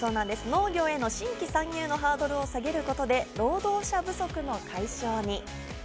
農業への新規参入のハードルを下げることで労働者不足の解消に。